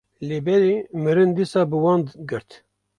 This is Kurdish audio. lêbelê mirin dîsa bi wan girt.